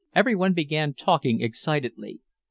Everyone began talking excitedly.